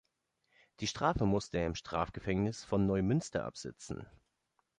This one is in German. Die Strafe musste er im Strafgefängnis von Neumünster absitzen.